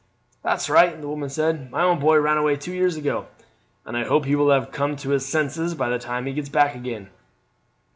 "That's right," the woman said. "My own boy ran away two years ago, and I hope he will have come to his senses by the time he gets back again."